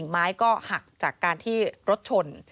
หากจากการที่รถชน